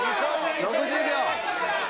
６０秒。